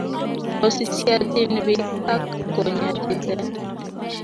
Ko sisiatin beek ak ko nyalilen